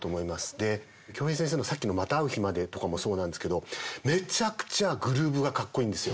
で京平先生のさっきの「またう日まで」とかもそうなんですけどめちゃくちゃグルーブがかっこいいんですよ。